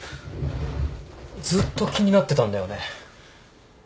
ずっと気になってたんだよね。